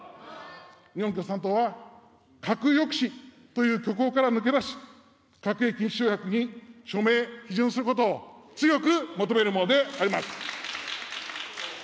日本共産党は、核抑止という虚構から抜け出し、核兵器禁止条約に署名、批准することを強く求めるものであります。